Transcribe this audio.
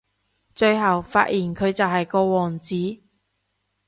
最後發現佢就係個王子